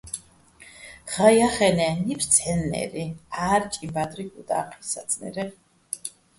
ხაჼ ჲახენე́, ნიფს ცჰ̦ენნე́ჲრი, ჺარჭიჼ ბადრი გუდა́ჴიჼ საძნერეჼ.